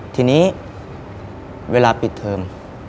ทีนี้เวลาปิดเทอม